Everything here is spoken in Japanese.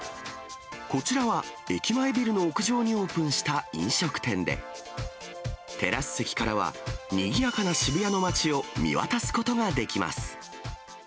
こちらは駅前ビルの屋上にオープンした飲食店で、テラス席からは、にぎやかな渋谷の街を見渡すことができます。